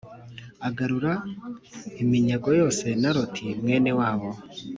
Agarura iminyago yose na Loti mwene wabo